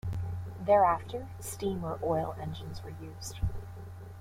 Thereafter steam or oil engines were used.